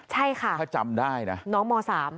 ใช่ค่ะถ้าจำได้นะน้องม๓